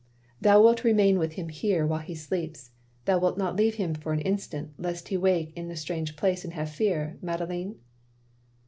"Thou wilt remain with him here while he sleeps. Thou wilt not leave him for an instant, lest he wake in a strange place, and have fear, Madeleine?"